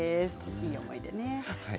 いい思い出ですね。